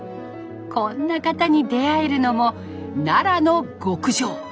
こんな方に出会えるのも奈良の極上。